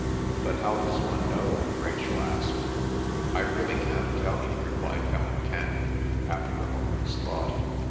"But how does one know?" Rachel asked. "I really can't tell you," replied Helen candidly, after a moment's thought.